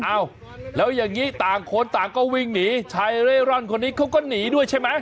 อ้าวแล้วอย่างนี้ต่างคนต่างก็วิ่งหนีชายเร่ร่อนคนนี้เขาก็หนีด้วยใช่ไหม